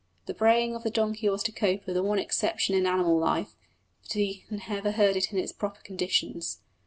The braying of the donkey was to Cowper the one exception in animal life; but he never heard it in its proper conditions.